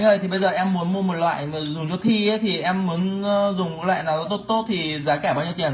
anh ơi thì bây giờ em muốn mua một loại mà dùng cho thi thì em muốn dùng loại nào tốt tốt thì giá cả bao nhiêu tiền hả anh